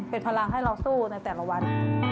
เป็นพลังให้เราสู้ในแต่ละวัน